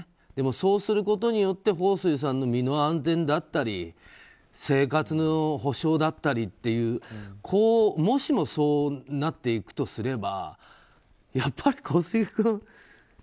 でも、そうすることによってホウ・スイさんの身の安全だったり生活の保障だったりというもしもそうなっていくとするならばやっぱり小杉君